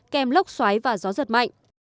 kèm lốc xoáy và gió giật mạnh